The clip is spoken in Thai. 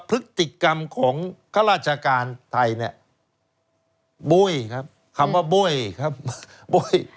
พฤติกรรมของข้าราชการไทยเนี่ยบุ้ยครับคำว่าบ้วยครับบุ้ย